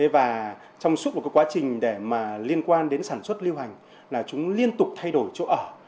và trong suốt một cái quá trình để mà liên quan đến sản xuất lưu hành là chúng liên tục thay đổi chỗ ở